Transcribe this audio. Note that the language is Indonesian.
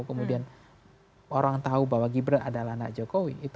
kemudian orang tahu bahwa gibran adalah anak jokowi